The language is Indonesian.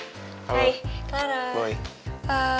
kamu yang juara mma kemarin kan ya